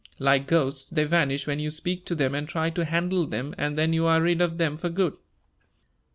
Like ghosts, they vanish when you speak to them and try to handle them, and then you are rid of them for good."